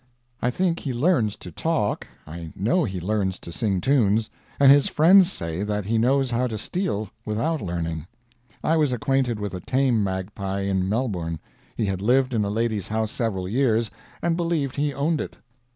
I think he learns to talk, I know he learns to sing tunes, and his friends say that he knows how to steal without learning. I was acquainted with a tame magpie in Melbourne. He had lived in a lady's house several years, and believed he owned it.